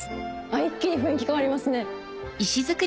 一気に雰囲気変わりますね。